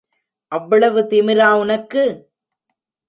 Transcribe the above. அவ்வளவு திமிரா உனக்கு?